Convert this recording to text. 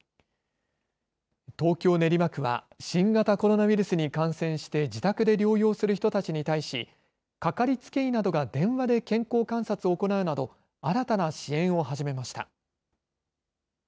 東京練馬区は新型コロナウイルスに感染して自宅で療養する人たちに対しかかりつけ医などが電話で健康観察を行うなど新たな支援を始めました。